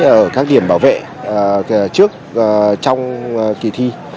ở các điểm bảo vệ trước trong kỳ thi